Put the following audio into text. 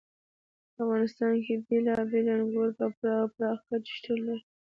په افغانستان کې بېلابېل انګور په پوره او پراخه کچه شتون لري.